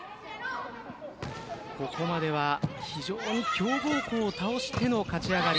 ここまでは非常に強豪校を倒しての勝ち上がり。